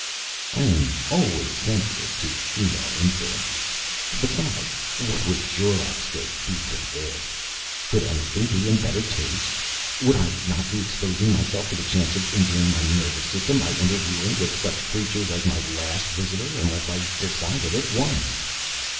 I am always sensitive to female influences. Besides, what would Jorrocks' ghost be to this? Could anything be in better taste? Would I not be exposing myself to the chance of injuring my nervous system by interviews with such creatures as my last visitor, unless I decided at once?